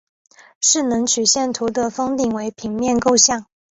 势能曲线图的峰顶为平面构象。